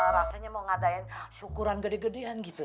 rasanya mau ngadain syukuran gede gedean gitu